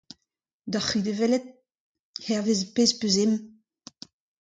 Deoc'h-c'hwi da welout hervez ar pezh ho peus ezhomm.